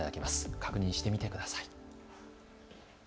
確認してみてください。